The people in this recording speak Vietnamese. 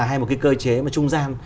hay một cái cơ chế mà trung gian